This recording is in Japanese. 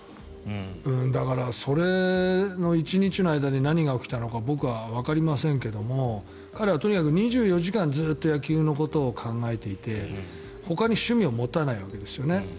だから、その１日の間に何が起きたのか僕はわかりませんけど彼はとにかく２４時間ずっと野球のことを考えていてほかに趣味を持たないわけです。